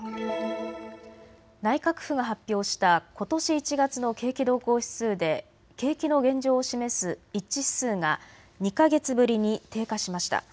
内閣府が発表したことし１月の景気動向指数で景気の現状を示す一致指数が２か月ぶりに低下しました。